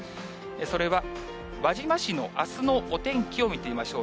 それは輪島市のあすのお天気を見てみましょう。